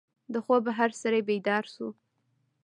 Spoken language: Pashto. د خوبه هر سړی بیدار شو.